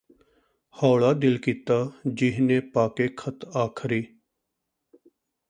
ਹੌਲਾ ਦਿਲ ਕੀਤਾ ਜੀਹਨੇ ਪਾਕੇ ਖ਼ਤ ਆਖਰੀ